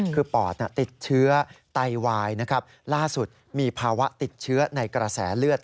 คือปอดติดเชื้อไตวายนะครับล่าสุดมีภาวะติดเชื้อในกระแสเลือด